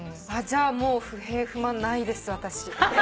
じゃあもう不平不満ないです私。